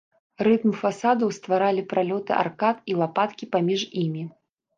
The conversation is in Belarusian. Рытм фасадаў стваралі пралёты аркад і лапаткі паміж імі.